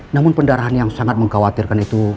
namun pendarahan yang sangat mengkhawatirkan itu